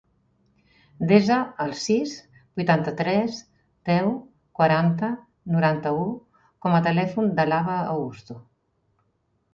Desa el sis, vuitanta-tres, deu, quaranta, noranta-u com a telèfon de l'Abba Augusto.